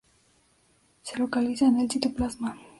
Se localiza en el citoplasma.